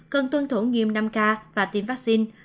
cần tuân thủ nghiêm năm k và tiêm vaccine